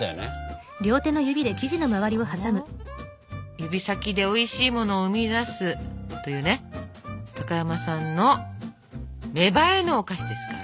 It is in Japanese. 指先でおいしいものを生み出すというね高山さんの芽生えのお菓子ですから。